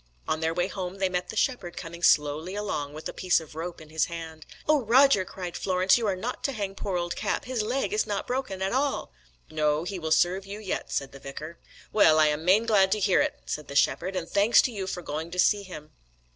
On their way home they met the shepherd coming slowly along, with a piece of rope in his hand. "Oh, Roger," cried Florence, "you are not to hang poor old Cap; his leg is not broken at all." "No, he will serve you yet," said the vicar. "Well, I be main glad to hear it," said the shepherd, "and thanks to you for going to see him."